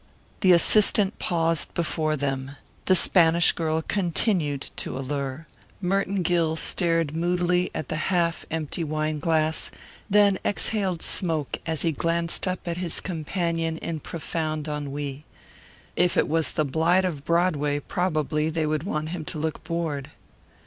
The assistant paused before them. The Spanish girl continued to allure. Merton Gill stared moodily at the half empty wine glass, then exhaled smoke as he glanced up at his companion in profound ennui. If it was The Blight of Broadway probably they would want him to look bored.